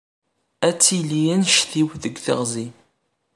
Ad tili annect-iw deg teɣzi.